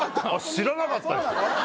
知らなかったですよ